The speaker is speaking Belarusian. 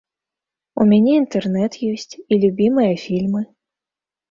У мяне інтэрнэт ёсць і любімыя фільмы.